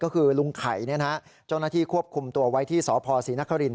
ก็คือลุงไข่เจ้าหน้าที่ควบคุมตัวไว้ที่สพศรีนคริน